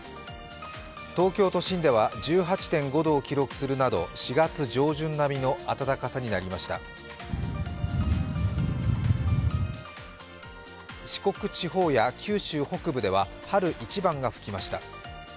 東京都心では１８．５度を記録するなど４月上旬並みの暖かさになりました四国地方や九州北部では春一番が吹きました。